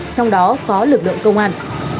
trong đó có lực lượng công an